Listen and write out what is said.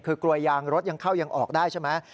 คือกลัวยางรถยังเข้ายังออกได้ใช่ไหม